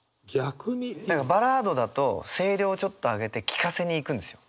バラードだと声量をちょっと上げて聞かせにいくんですよ。